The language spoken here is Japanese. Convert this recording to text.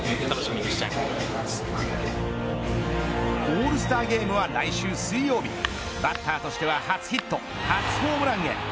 オールスターゲームは来週、水曜日バッターとしては初ヒット初ホームランへ。